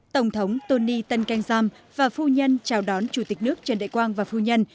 tổng thống tony tân kenjam và phu nhân chào đón chủ tịch nước trần đại quang và phu nhân